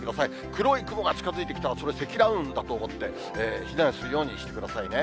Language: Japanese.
黒い雲が近づいてきたら、それは積乱雲だと思って、避難するようにしてくださいね。